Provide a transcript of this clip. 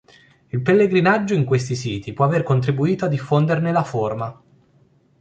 Il pellegrinaggio in questi siti può aver contribuito a diffonderne la forma.